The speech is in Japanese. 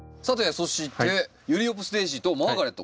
そしてユリオプスデージーとマーガレット